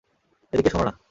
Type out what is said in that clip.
এদিকে শোনো না!